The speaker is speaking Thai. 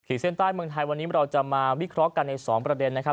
เส้นใต้เมืองไทยวันนี้เราจะมาวิเคราะห์กันในสองประเด็นนะครับ